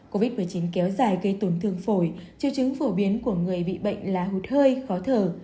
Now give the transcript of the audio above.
covid một mươi chín kéo dài gây tổn thương phổi triệu chứng phổ biến của người bị bệnh là hụt hơi khó thở